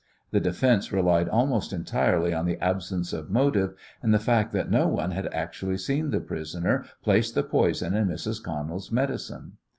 The defence relied almost entirely on the absence of motive and the fact that no one had actually seen the prisoner place the poison in Mrs. Connell's medicine.